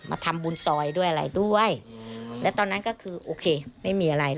มาทำบุญซอยด้วยอะไรด้วยแล้วตอนนั้นก็คือโอเคไม่มีอะไร